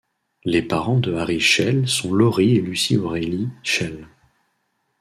Les parents de Harry Schell sont Laury et Lucy O'Reilly Schell.